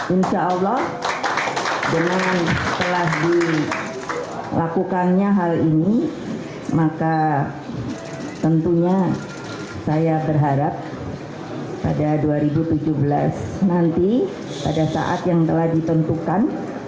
insya allah dengan telah dilakukannya hal ini maka tentunya saya berharap pada dua ribu tujuh belas nanti pada saat yang telah ditentukan